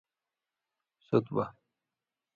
سُت بہ